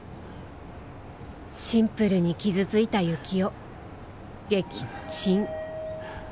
シンプルに傷ついた幸男、撃沈。